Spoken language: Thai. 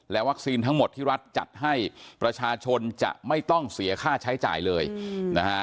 วัคซีนทั้งหมดที่รัฐจัดให้ประชาชนจะไม่ต้องเสียค่าใช้จ่ายเลยนะฮะ